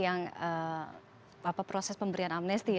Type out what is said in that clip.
yang proses pemberian amnesti